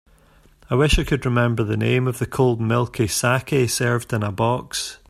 I wish I could remember the name of the cold milky saké served in a box.